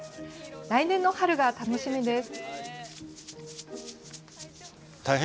来年の春が楽しみです。